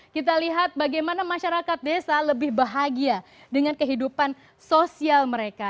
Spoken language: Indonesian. kita lihat bagaimana masyarakat desa lebih bahagia dengan kehidupan sosial mereka